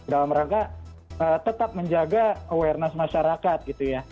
dalam rangka tetap menjaga awareness masyarakat gitu ya